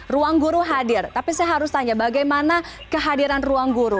ruangguru hadir tapi saya harus tanya bagaimana kehadiran ruangguru